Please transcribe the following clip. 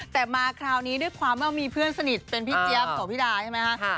แต่มาคราวนี้ด้วยความว่ามีเพื่อนสนิทเป็นพี่เจี๊ยบของพี่ดาใช่ไหมคะ